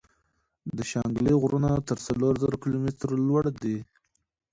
د شانګلې غرونه تر څلور زرو کلو ميتره لوړ دي ـ